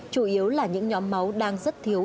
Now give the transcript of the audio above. chủ yếu là những nhóm máu đang rất thiếu